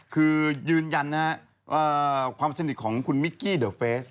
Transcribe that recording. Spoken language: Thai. คือยืนยันนะฮะความสนิทของคุณมิกกี้เดอร์เฟส